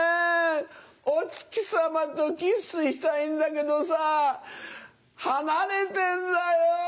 お月さまとキスしたいんだけどさ離れてんだよ。